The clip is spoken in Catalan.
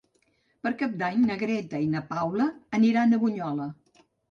Per Cap d'Any na Greta i na Paula aniran a Bunyola.